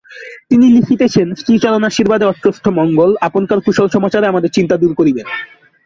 তিনি লিখিতেছেন, শ্রীচরণাশীর্বাদে অত্রস্থ মঙ্গল, আপনকার কুশলসমাচারে আমাদের চিন্তা দূর করিবেন।